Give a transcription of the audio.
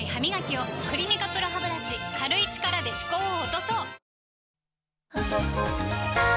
「クリニカＰＲＯハブラシ」軽い力で歯垢を落とそう！